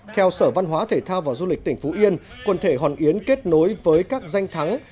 theo sở văn hóa thể thao và du lịch tỉnh phú yên quần thể hòn yến kết nối với các danh thắng